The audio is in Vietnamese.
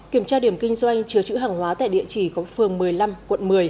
kiểm tra điểm kinh doanh chứa chữ hàng hóa tại địa chỉ có phường một mươi năm quận một mươi